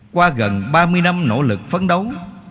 qua gần ba mươi năm nỗ lực phấn đấu